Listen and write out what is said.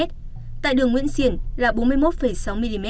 tại đường nguyễn xiển là bốn mươi một sáu mm